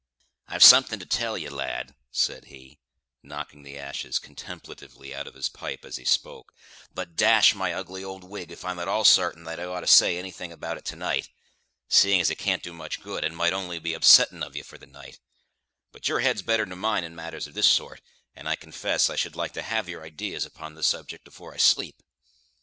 "I've something to tell ye, lad," said he, knocking the ashes contemplatively out of his pipe as he spoke, "but dash my ugly old wig if I'm at all sartain that I ought to say anything about it to night, seeing as it can't do much good, and might only be upsetting of ye for the night; but your head's better nor mine in matters of this sort, and I confess I should like to have your idees upon the subject afore I sleep.